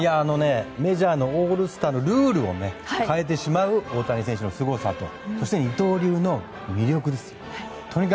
メジャーのオールスターのルールを変えてしまう大谷選手のすごさと二刀流の魅力ですよ。